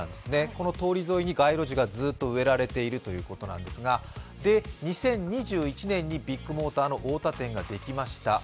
この通り沿いに、街路樹がずっと植えられているということなんですが、２０２１年にビッグモーター太田店ができました。